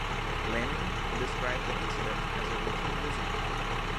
Laming described the incident as a "routine visit".